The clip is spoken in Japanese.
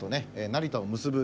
成田を結ぶ。